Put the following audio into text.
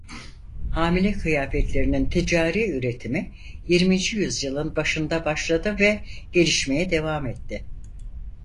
Hamile kıyafetlerinin ticari üretimi yirminci yüzyılın başında başladı ve gelişmeye devam etti.